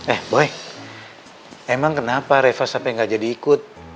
eh boy emang kenapa reva sampe nggak jadi ikut